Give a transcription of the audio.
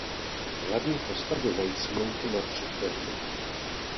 Hlavní postavy mají smlouvu na tři filmy.